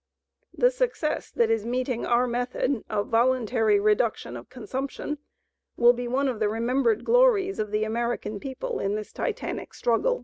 The success that is meeting our method of voluntary reduction of consumption "will be one of the remembered glories of the American people in this titanic struggle."